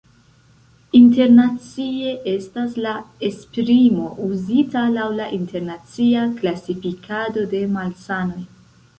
Internacie estas la esprimo uzita laŭ la internacia klasifikado de malsanoj.